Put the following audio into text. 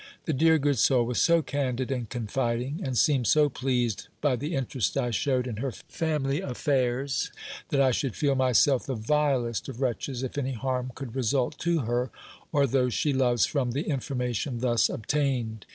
"The dear good soul was so candid and confiding, and seemed so pleased by the interest I showed in her family affairs, that I should feel myself the vilest of wretches if any harm could result to her, or those she loves, from the information thus obtained."